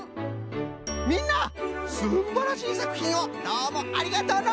みんなすんばらしいさくひんをどうもありがとうの！